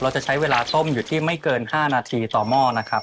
จะใช้เวลาต้มอยู่ที่ไม่เกิน๕นาทีต่อหม้อนะครับ